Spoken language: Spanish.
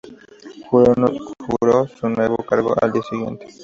Juró su nuevo cargo al día siguiente.